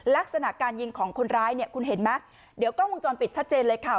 ลักษณะการยิงของคนร้ายเนี่ยคุณเห็นไหมเดี๋ยวกล้องวงจรปิดชัดเจนเลยค่ะ